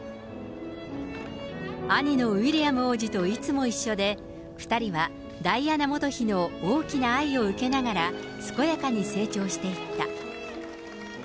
兄のウィリアム王子といつも一緒で、２人はダイアナ元妃の大きな愛を受けながら、健やかに成長していった。